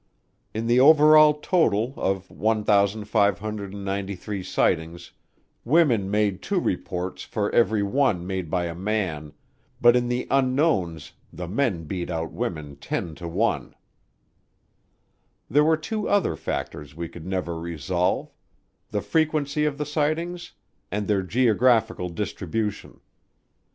In the over all total of 1,593 sightings women made two reports for every one made by a man, but in the "Unknowns" the men beat out women ten to one. There were two other factors we could never resolve, the frequency of the sightings and their geographical distribution.